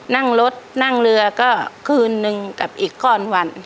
นั่งรถนั่งเรือก็คืนนึงกับอีกก้อนวัน